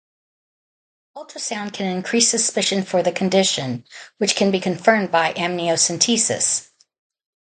Ultrasound can increase suspicion for the condition, which can be confirmed by amniocentesis.